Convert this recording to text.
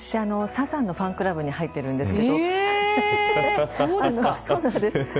さすがサザンのファンクラブに入っているんですね。